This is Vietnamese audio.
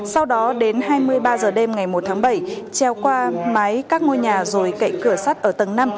sau đó đến hai mươi ba h đêm ngày một tháng bảy treo qua mái các ngôi nhà rồi cậy cửa sắt ở tầng năm